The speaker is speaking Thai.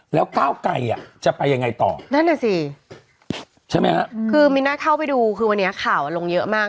แล้วเก้าไกรจะไปยังไงต่อนั่นแหละสิคือมีน่าเข้าไปดูคือวันนี้ข่าวลงเยอะมาก